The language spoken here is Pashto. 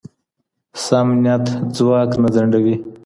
سم نیت ځواک نه ځنډوي.